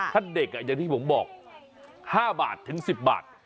ถ้าเด็กอย่างที่ผมบอก๕บาทถึง๑๐บาท